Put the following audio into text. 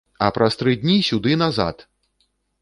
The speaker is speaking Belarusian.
А праз тры дні сюды назад!